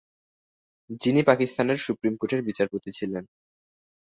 যিনি পাকিস্তানের সুপ্রিম কোর্টের বিচারপতি ছিলেন।